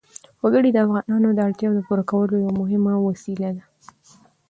وګړي د افغانانو د اړتیاوو د پوره کولو یوه مهمه وسیله ده.